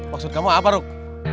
maksud kamu apa ruk